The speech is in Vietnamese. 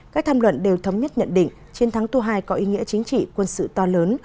các tham luận đều thống nhất nhận định chiến thắng tua hai có ý nghĩa chính trị quân sự to lớn